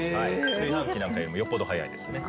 炊飯器なんかよりもよっぽど早いですね。